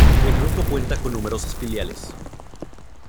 El grupo cuenta con numerosas filiales.